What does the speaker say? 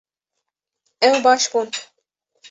Ew baş bûn